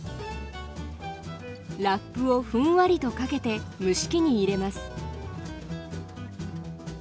ラップをふんわりとかけて蒸し器に入れます。